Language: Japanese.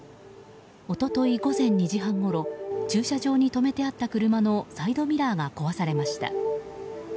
一昨日午前２時半ごろ駐車場に止めてあった車のサイドミラーが壊されました。